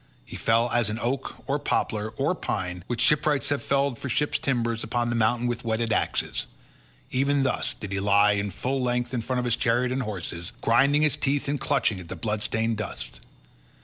He fell as an oak, or poplar, or pine which shipwrights have felled for ship's timber upon the mountains with whetted axes—even thus did he lie full length in front of his chariot and horses, grinding his teeth and clutching at the blood stained dust.